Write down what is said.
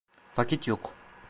Vakit yok.